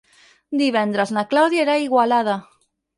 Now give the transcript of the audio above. Divendres na Clàudia irà a Igualada.